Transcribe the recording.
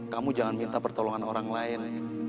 kamu jangan minta pertolongan orang lain